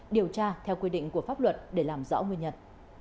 điều tra theo quy định của pháp luật để làm rõ nguyên nhân